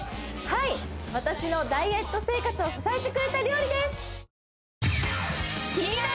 はい私のダイエット生活を支えてくれた料理です